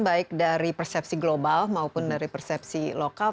baik dari persepsi global maupun dari persepsi lokal